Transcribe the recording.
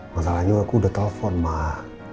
masalahnya aku udah telpon mah